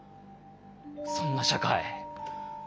そんな社会。